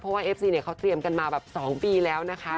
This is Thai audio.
เพราะว่าเอฟซีเนี่ยเขาเตรียมกันมาแบบ๒ปีแล้วนะคะ